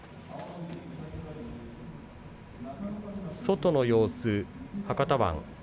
外の様子、博多湾。